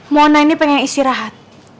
mona ini pengen istirahat